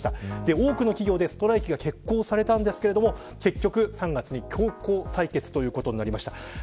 多くの企業でストライキが決行されましたが結局、３月に強行採決になりました。